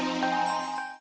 jangan sabar ya rud